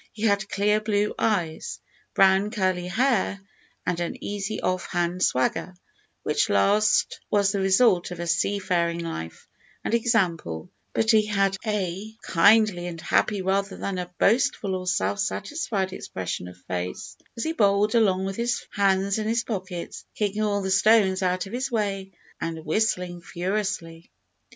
He had clear blue eyes, brown curly hair, and an easy, offhand swagger, which last was the result of a sea faring life and example; but he had a kindly and happy, rather than a boastful or self satisfied, expression of face, as he bowled along with his hands in his pockets, kicking all the stones out of his way, and whistling furiously.